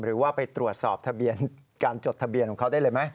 หรือว่าไปตรวจสอบทะเบียนการจดทะเบียนของเขาได้เลยไหม